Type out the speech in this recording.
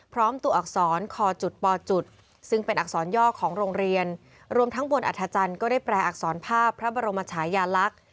ตัวอักษรคอจุดปจุดซึ่งเป็นอักษรย่อของโรงเรียนรวมทั้งบนอัธจันทร์ก็ได้แปลอักษรภาพพระบรมชายาลักษณ์